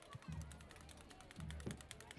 Bostirib kiradi bekning jallodi